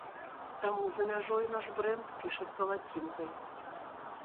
Таму за мяжой наш брэнд пішацца лацінкай.